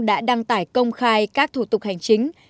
đã đăng tải công khai các thủ tục hành chính